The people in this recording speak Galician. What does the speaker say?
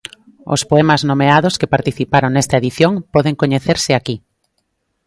Os poemas nomeados que participaron nesta edición poden coñecerse aquí.